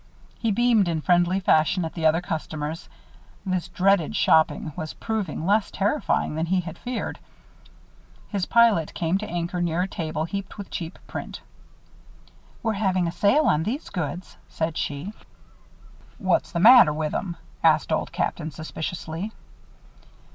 He beamed in friendly fashion at the other customers; this dreaded shopping was proving less terrifying than he had feared. His pilot came to anchor near a table heaped with cheap print. "We're having a sale on these goods," said she. "What's the matter with 'em?" asked Old Captain, suspiciously.